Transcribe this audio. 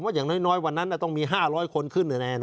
ผมว่าอย่างน้อยวันนั้นต้องมี๕๐๐คนขึ้นในแอนโนม